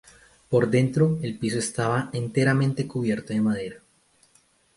Por dentro, el piso estaba enteramente cubierto de madera.